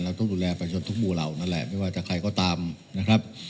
ต้องดูแลประชาชนทุกหมู่เหล่านั่นแหละไม่ว่าจะใครก็ตามนะครับ